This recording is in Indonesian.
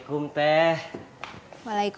kita suka banyak banyak